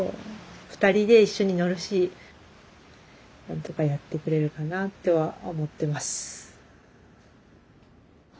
２人で一緒に乗るし何とかやってくれるかなとは思ってます。